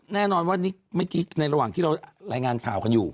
แน่นอนว่านี่เมื่อกี้ในระหว่างที่เรารายงานข่าวกันอยู่